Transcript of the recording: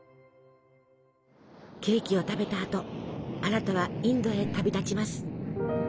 ケーキを食べたあとアラタはインドへ旅立ちます。